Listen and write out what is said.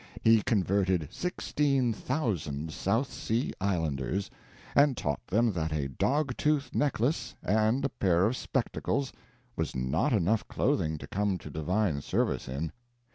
He converted sixteen thousand South Sea islanders, and taught them that a dog tooth necklace and a pair of spectacles was not enough clothing to come to divine service in.